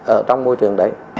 ở trong môi trường đấy